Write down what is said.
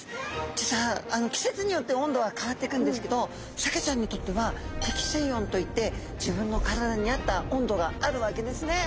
実は季節によって温度は変わっていくんですけどサケちゃんにとっては適水温といって自分の体に合った温度があるわけですね。